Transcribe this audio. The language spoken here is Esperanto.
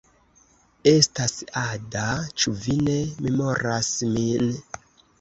Estas Ada. Ĉu vi ne memoras min?